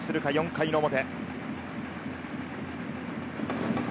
４回の表。